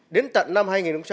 đến tận năm hai nghìn một mươi bốn